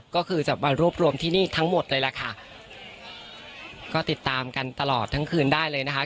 ก็คือจะมารวบรวมที่นี่ทั้งหมดเลยล่ะค่ะก็ติดตามกันตลอดทั้งคืนได้เลยนะคะ